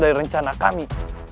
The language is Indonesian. dari rencana kami